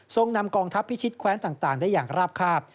นำกองทัพพิชิตแคว้นต่างได้อย่างราบคาบ